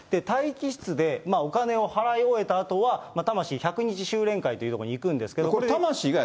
待機室でお金を払い終えたあとは、魂、１００日修錬会という所に行くんですけど。